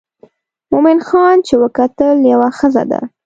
مومن خان چې وکتل یوه ښځه ده.